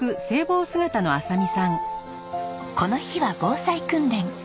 この日は防災訓練。